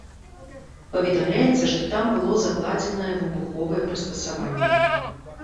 Паведамляецца, што там было закладзенае выбуховае прыстасаванне.